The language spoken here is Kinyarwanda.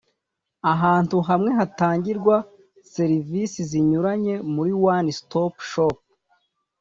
ahantu hamwe hatangirwa serivisi zinyuranye muri one stop shop